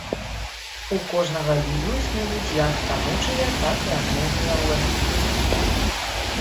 У кожнага віду існуюць як станоўчыя, так і адмоўныя ўласцівасці.